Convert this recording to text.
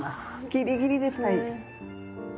ギリギリですね。